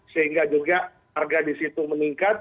sehingga juga harga di situ meningkat